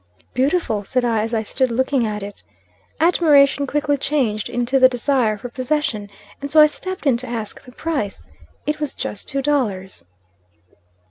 "'Beautiful!' said I, as I stood looking at it. Admiration quickly changed into the desire for possession; and so I stepped in to ask the price. It was just two dollars.